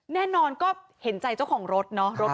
แน่นอนก็เห็นใจเจ้าของรถเนาะ